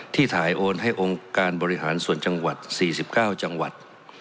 ที่ถ่ายโอนให้องค์การบริหารส่วนจังหวัด๔๙จังหวัด